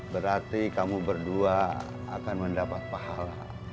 berarti kamu berdua akan mendapat pahala